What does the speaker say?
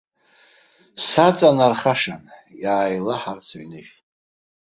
Саҵанархашан, иааилаҳар, сыҩныжә.